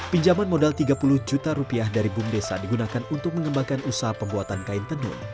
pinjaman modal tiga puluh juta rupiah dari bum desa digunakan untuk mengembangkan usaha pembuatan kain tenun